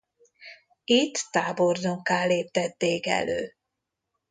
Itt tábornokká léptették elő.